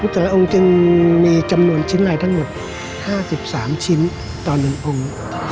แต่ละองค์จึงมีจำนวนชิ้นในทั้งหมด๕๓ชิ้นต่อ๑องค์